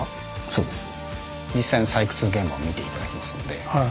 そうです。